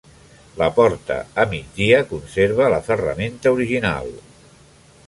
La porta, a migdia, conserva la ferramenta original.